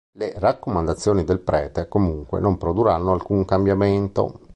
Le raccomandazioni del prete, comunque, non produrranno alcun cambiamento.